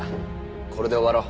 これで終わろう。